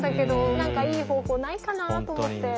何かいい方法ないかなあと思って。